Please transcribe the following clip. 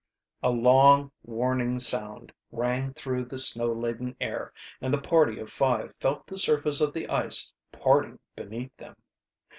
Ca a ac ck! A long warning sound rang through the snow laden air and the party of five felt the surface of the ice parting beneath them.